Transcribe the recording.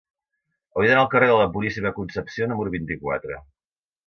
Hauria d'anar al carrer de la Puríssima Concepció número vint-i-quatre.